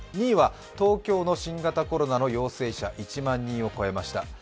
２位は東京の新型コロナの陽性者、１万人を超えました。